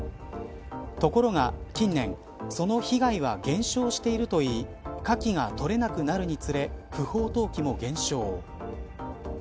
ところが近年その被害は減少しているといいカキが取れなくなるにつれ不法投棄も減少。